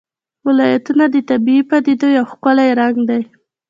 ولایتونه د طبیعي پدیدو یو ښکلی رنګ دی.